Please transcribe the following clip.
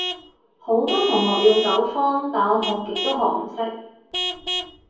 好多同學用九方，但我學極都學唔識